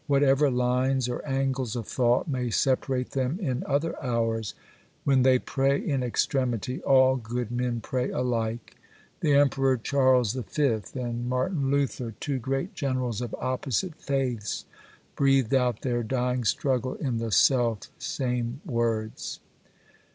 Whatever lines or angles of thought may separate them in other hours, when they pray in extremity, all good men pray alike. The Emperor Charles V. and Martin Luther, two great generals of opposite faiths, breathed out their dying struggle in the self same words.